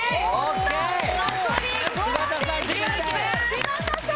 柴田さん。